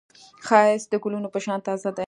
ښایست د ګلونو په شان تازه دی